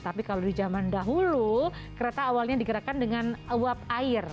tapi kalau di zaman dahulu kereta awalnya digerakkan dengan uap air